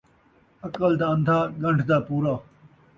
عقل دا ان٘دھا ، ڳن٘ڈھ دا پورا